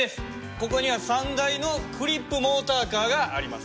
ここには３台のクリップモーターカーがあります。